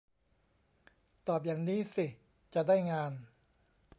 ตอบอย่างนี้สิจะได้งาน